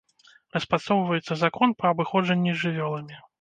Распрацоўваецца закон па абыходжанні з жывёламі.